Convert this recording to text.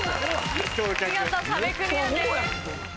見事壁クリアです。